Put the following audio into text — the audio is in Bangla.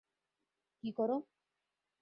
কী করো?